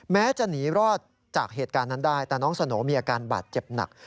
แม้จะหนีรอดจากเหตุการณ์นั้นได้แต่น้องสโนมีอาการบาดเจ็บหนัก